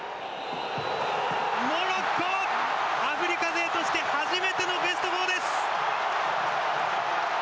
モロッコ、アフリカ勢として初めてのベスト４です！